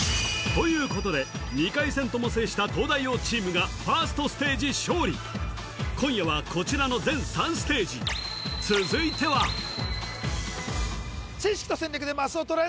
ということで２回戦とも制した東大王チームがファーストステージ勝利今夜はこちらの全３ステージ続いては知識と戦略でマスを取れ！